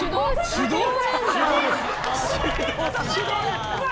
すごい。